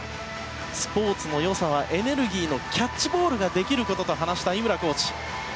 スポーツの良さはエネルギーのキャッチボールができることと話した井村コーチ。